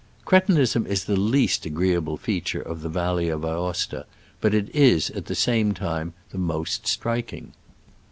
Cretinism is the least agreeable feature of the valley of Aosta, but it is, at the same time, the most striking.